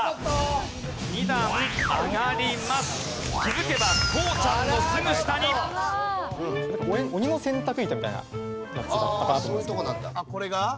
あっこれが？